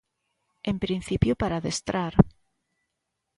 En principio para adestrar.